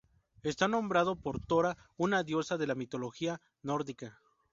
Está nombrado por Thora, una diosa de la mitología nórdica.